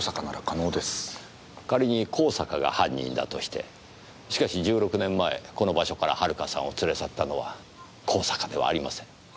仮に香坂が犯人だとしてしかし１６年前この場所から遥さんを連れ去ったのは香坂ではありません。